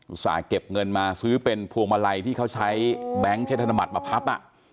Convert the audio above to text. อุตส่าห์เก็บเงินมาซื้อเป็นพวงมาลัยที่เขาใช้แบงค์เช็ดธนบัตรมาพับ